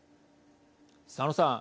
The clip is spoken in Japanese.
佐野さん。